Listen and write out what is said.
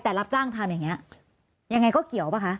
แต่รับจ้างทำอย่างนี้ยังไงก็เกี่ยวป่ะคะ